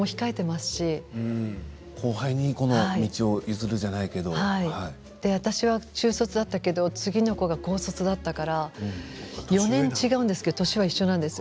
後輩に私は中卒だったけど次の子が高卒だったから４年違うんですけれども年は一緒なんです。